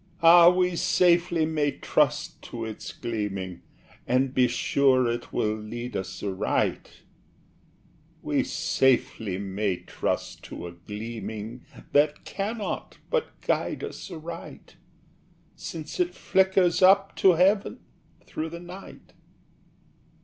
Ah, we safely may trust to its gleaming, And be sure it will lead us aright We safely may trust to a gleaming That cannot but guide us aright, Since it flickers up to Heaven through the night."